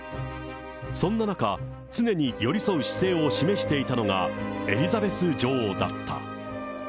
そんな中、常に寄り添う姿勢を示していたのが、エリザベス女王だった。